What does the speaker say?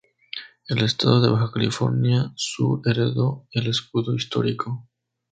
El estado de Baja California Sur heredó el escudo histórico.